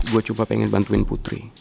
gue cuma pengen bantuin putri